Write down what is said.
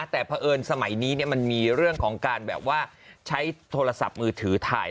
แต่พอเอิญสมัยนี้มันมีเรื่องการใช้โทรศัพท์มือถือถ่าย